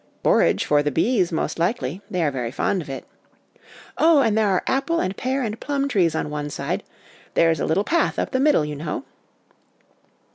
'Borage for the bees, most likely ; they are very fond of it.' ' Oh, and there are apple and pear and plum trees on one side; there's a little path up the middle, you know.'